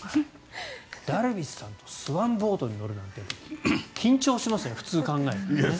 ダルビッシュさんとスワンボートに乗るなんて緊張しますね、普通に考えて。